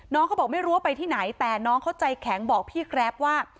เขาบอกไม่รู้ว่าไปที่ไหนแต่น้องเขาใจแข็งบอกพี่แกรปว่า